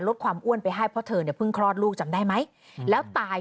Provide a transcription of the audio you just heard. ลดความอ้วนไปให้เพราะเธอเนี่ยเพิ่งคลอดลูกจำได้ไหมแล้วตาย